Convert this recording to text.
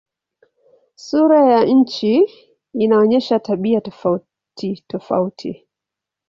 Sura ya nchi inaonyesha tabia tofautitofauti.